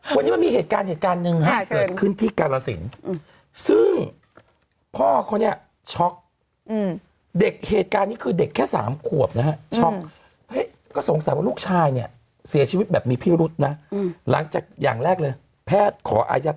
เราจะไปมีเหตุการณ์ที่การเนินห้าเกิดขึ้นที่กรสินสิ่งคร่อนแค่ช่องเด็กเหตุการณ์นี้คือเด็กแค่สามขวบนะถ้องให้ก็สงสัยว่าลูกชายเนี่ยเสียชีวิตแบบมีพิรุษนะหลังจากอย่างแรกเลยแพทย์ขอ